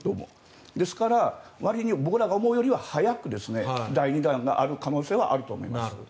ですから僕らが思うよりは早く第２弾がある可能性はあると思います。